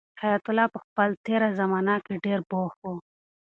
حیات الله په خپل تېره زمانه کې ډېر بوخت و.